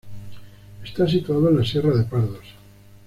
Está situado en la Sierra de Pardos.